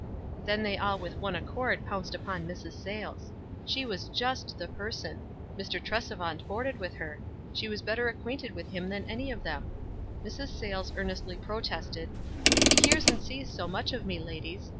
Then they all with one accord pounced upon Mrs. Sayles. She was just the person — Mr. Tresevant boarded with her — she was better acquainted with him than any of them. Mrs. Sayles earnestly protested, "He hears and sees so much of me, ladies.